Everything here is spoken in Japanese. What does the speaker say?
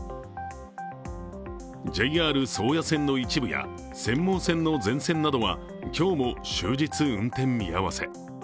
ＪＲ宗谷線の一部や、釧網線の全線などは今日も終日運転見合せ。